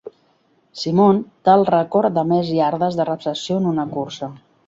Simon té el rècord de més iardes de recepció en una cursa.